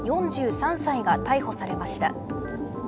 ４３歳が逮捕されました。